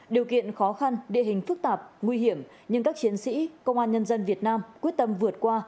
điều kiện khó khăn địa hình phức tạp nguy hiểm nhưng các chiến sĩ công an nhân dân việt nam quyết tâm vượt qua